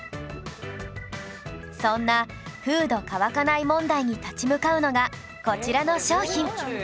そんなフード乾かない問題に立ち向かうのがこちらの商品